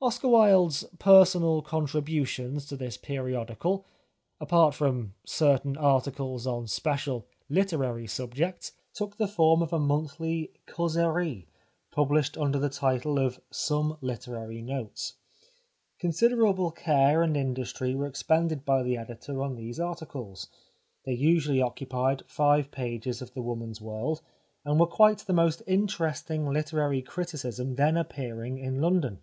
Oscar Wilde's personal contributions to this periodical — apart from certain articles on special literary subjects — took the form of a monthly causerie, published under the title of " Some Literary Notes." Considerable care and in 271 The Life of Oscar Wilde dustry were expended by the editor on these articles. They usually occupied five pages of The Woman's World, and were quite the most interesting literary criticism then appearing in London.